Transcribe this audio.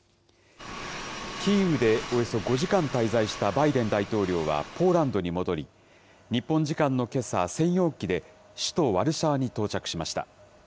キーウでおよそ５時間滞在したバイデン大統領はポーランドに戻り、日本時間のけさ、専用機で首都ワルシャワに到着しました。